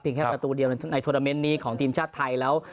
แค่ประตูเดียวในโทรเมนต์นี้ของทีมชาติไทยแล้ว